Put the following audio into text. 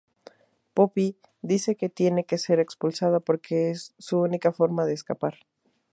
Poppy dice que tiene que ser expulsada porque es su única forma de escapar.